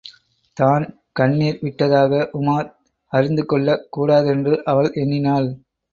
தான் கண்ணிர் விட்டதாக உமார் அறிந்து கொள்ளக் கூடாதென்று அவள் எண்ணினாள்.